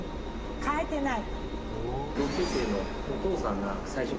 変えてない。